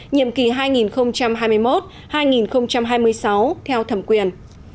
nhiệm kỳ hai nghìn hai mươi một hai nghìn hai mươi sáu theo thẩm quyền